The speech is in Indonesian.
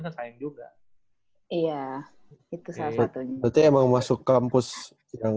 sevi siviah gitu tuhowing